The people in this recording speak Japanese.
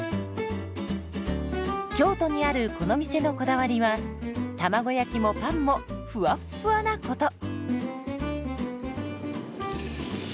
京都にあるこの店のこだわりは卵焼きもパンもふわっふわなこと。